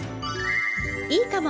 いいかも！